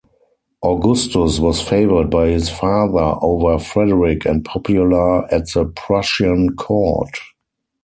Augustus was favored by his father over Frederick and popular at the Prussian court.